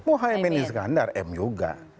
muhaymin iskandar m juga